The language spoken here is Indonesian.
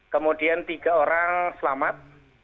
kemudian tiga orang selamat